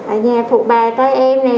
ở nhà phụ bài coi em nè